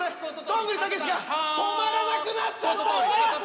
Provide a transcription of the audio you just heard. どんぐりが止まんなくなっちゃったよ